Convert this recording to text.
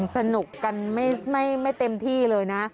สนุกกันไม่เต็มที่เลยนะ